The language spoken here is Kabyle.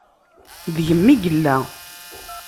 Deg-m i yella.